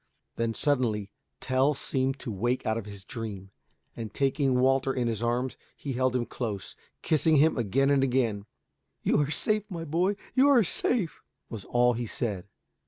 Then suddenly Tell seemed to wake out of his dream, and taking Walter in his arms he held him close, kissing him again and again. "You are safe, my boy. You are safe," was all he said.